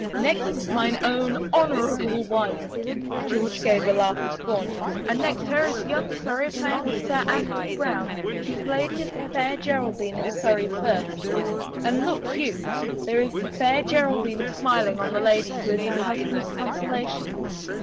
Next is mine own honorable wife," George gave a laugh of scorn, "and next her is young Surrey playing with Sir Anthony Brown, whose lady is the fair Geraldine of Surrey's verse, and look you, there is the fair Geraldine smiling on the lady who is her husband's consolation